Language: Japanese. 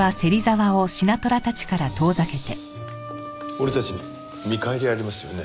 俺たちに見返りありますよね？